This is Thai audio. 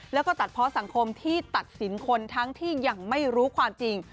แล้วก็ตัดเพราะสังคมที่ตัดสินคนทั้งที่ยังไม่รู้ความจริง